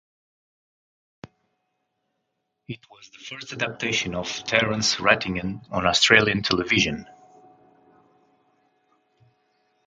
It was the first adaptation of Terence Rattigan on Australian television.